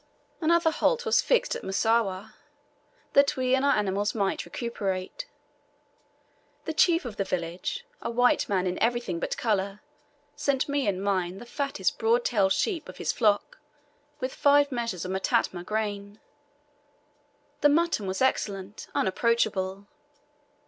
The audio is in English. Another halt was fixed at Msuwa, that we and our animals might recuperate. The chief of the village, a white man in everything but colour, sent me and mine the fattest broad tailed sheep of his flock, with five measures of matama grain. The mutton was excellent, unapproachable.